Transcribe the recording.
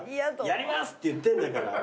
「やります！」って言ってんだから。